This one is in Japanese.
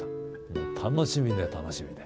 もう楽しみで楽しみで。